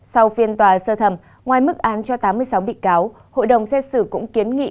sau phiên tòa sơ thẩm ngoài mức án cho tám mươi sáu bị cáo hội đồng xét xử cũng kiến nghị